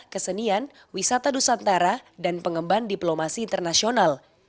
kesenian wisata nusantara dan pengemban diplomasi internasional